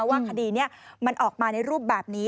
ว่าคดีนี้มันออกมาในรูปแบบนี้